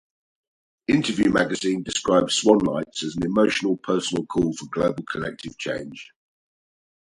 "Interview Magazine" describes "Swanlights" as "an emotional personal call for global, collective change".